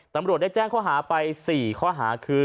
ตำรวจได้แจ้งข้อหาไป๔ข้อหาคือ